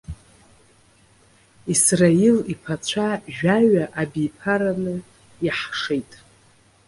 Исраил иԥацәа жәаҩа абиԥараны иаҳшеит.